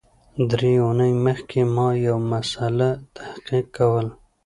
درې اونۍ مخکي ما یو مسأله تحقیق کول